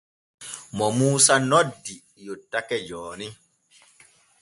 Mo Muusa noddi yottake jooni.